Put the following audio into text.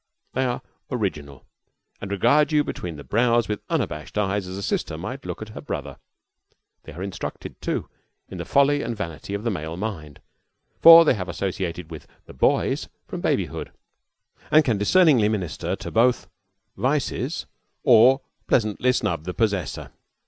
They are original, and regard you between the brows with unabashed eyes as a sister might look at her brother. They are instructed, too, in the folly and vanity of the male mind, for they have associated with "the boys" from babyhood, and can discerningly minister to both vices or pleasantly snub the possessor.